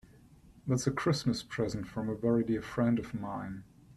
That's a Christmas present from a very dear friend of mine.